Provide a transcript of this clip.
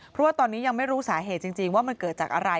เพราะว่าตอนนี้ยังไม่รู้สาเหตุจริงว่ามันเกิดจากอะไร